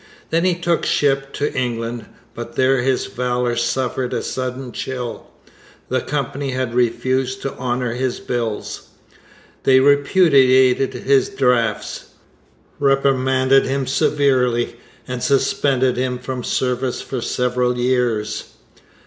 Then he took ship to England; but there his valour suffered a sudden chill. The Company had refused to honour his bills. They repudiated his drafts, reprimanded him severely, and suspended him from service for several years.